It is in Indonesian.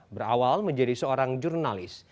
berawal menjadi seorang jurnalis